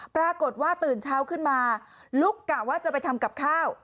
ปรากฏว่าตื่นเช้าขึ้นมาลุกกะว่าจะไปทำกับข้าว